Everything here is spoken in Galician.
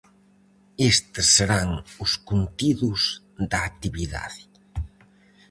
Estes serán os contidos da actividade: